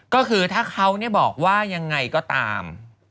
ก็คือถ้าเขาบอกว่ายังไงก็ตาม